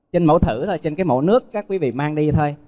trên mẫu thử trên cái mẫu nước các quý vị mang đi thôi